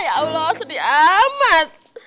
ya allah sedih amat